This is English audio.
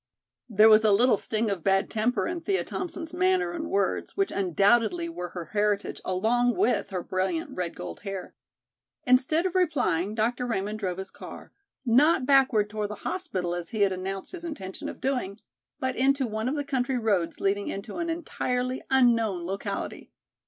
There was a little sting of bad temper in Thea Thompson's manner and words which undoubtedly were her heritage along with her brilliant red gold hair. Instead of replying Dr. Raymond drove his car, not backward toward the hospital as he had announced his intention of doing, but into one of the country roads leading into an entirely unknown locality.